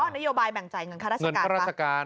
นโยบายแบ่งจ่ายเงินค่าราชการ